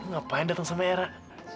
lo ngapain datang sama erah